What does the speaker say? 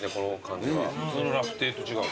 普通のラフテーと違う。